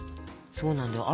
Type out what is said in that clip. そうなんだよ。